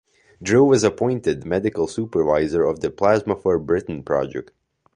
Drew was appointed medical supervisor of the "Plasma for Britain" project.